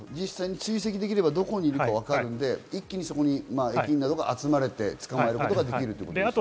追跡できれば、どこにいるかわかるので、一気にそこに駅員などが集まれて捕まえることができるということですね。